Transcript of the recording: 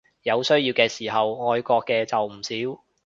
有需要嘅時候愛國嘅就唔少